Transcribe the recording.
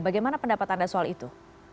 bagaimana pendapat anda soal itu